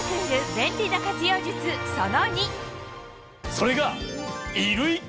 それが。